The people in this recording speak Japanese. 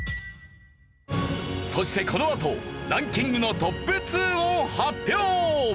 そしてこのあとランキングのトップ２を発表！